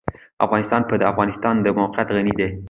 افغانستان په د افغانستان د موقعیت غني دی.